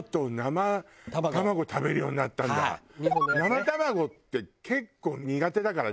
生卵って結構苦手だからね